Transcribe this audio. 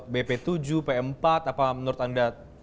bp tujuh pm empat apa menurut anda